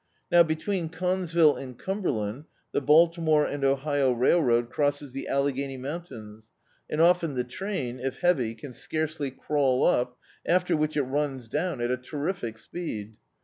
Now, between CcKinesville and Cumberland, the Baltimore and Ohio Railroad crosses the Alle ^eny mountains, and often the train, if heavy, can scarcely crawl up, after which it runs down at a terrific speed.